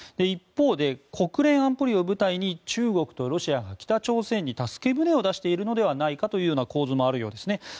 一方で国連安保理を舞台に中国とロシアが北朝鮮に助け舟を出しているのではないかという構図もあるようですね。